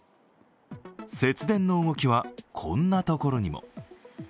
節電の動きは、こんなところにも。